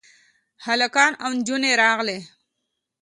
هلکان او نجونې راغلې.